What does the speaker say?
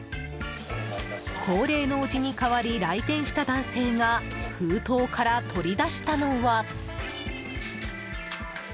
高齢のおじに代わり来店した男性が封筒から取り出したのは。